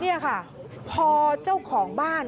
นี่ค่ะพอเจ้าของบ้าน